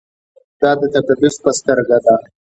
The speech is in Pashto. دا د تقدس په سترګه ده.